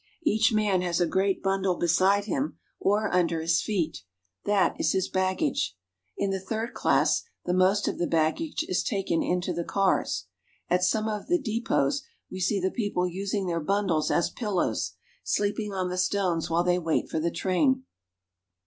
Each man has a great bundle beside him or under his feet ; that is his baggage. In the third class the most of the baggage is taken into the cars. At some of the depots we see the people using their bundles as pillows, sleeping on the stones while they wait for the train.